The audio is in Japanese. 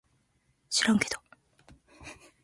しらんけど